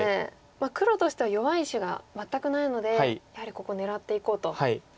黒としては弱い石が全くないのでやはりここ狙っていこうと。